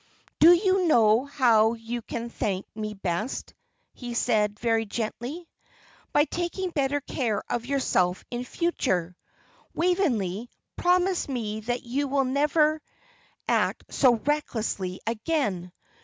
"Do you know how you can thank me best?" he said, very gently. "By taking better care of yourself in future. Waveney, promise me that you will never act so recklessly again.